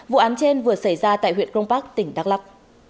vụ án trên vừa xảy ra tại huyện crong park tỉnh đắk lắk